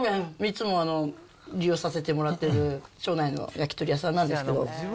いつも利用させてもらってる町内の焼き鳥屋さんなんですけど。